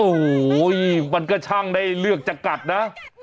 โอ้โหมันก็ช่างได้เลือกจะกัดนะ